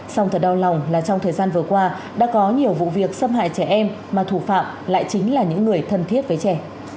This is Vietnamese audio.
xong thật đau lòng là trong thời gian vừa qua đã có nhiều vụ việc xâm hại trẻ em mà thủ phạm lại chính là những người thân thiết với trẻ